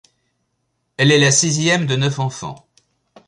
Elle est la sixième de neuf enfants.